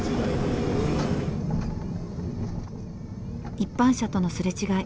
一般車との擦れ違い。